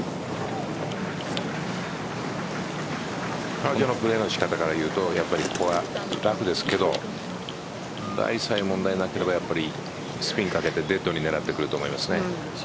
彼女のプレーの仕方から言うとここはラフですけどライさえ問題なければスピンをかけて狙ってくると思いますね。